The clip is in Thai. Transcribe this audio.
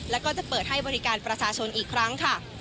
แล้วก็จะเปิดให้บริการประชาชนอีกครั้งค่ะ